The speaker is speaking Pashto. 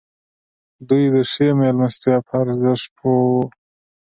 دوی د ښې مېلمستیا په ارزښت پوه وو.